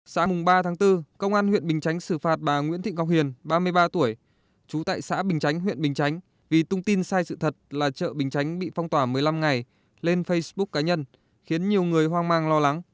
sáng ba tháng bốn công an huyện bình chánh xử phạt bà nguyễn thị ngọc hiền ba mươi ba tuổi trú tại xã bình chánh huyện bình chánh vì tung tin sai sự thật là chợ bình chánh bị phong tỏa một mươi năm ngày lên facebook cá nhân khiến nhiều người hoang mang lo lắng